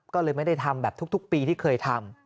ก็เลยไม่ได้ทำแบบทุกปีที่เคยทำ